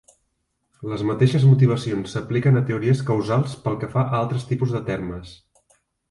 Les mateixes motivacions s'apliquen a teories causals pel que fa a altres tipus de termes.